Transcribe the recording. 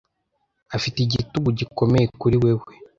Afite igitugu gikomeye kuri wewe.